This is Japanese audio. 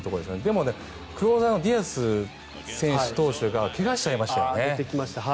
でもクローザーのディアス投手が怪我しちゃいましたよね。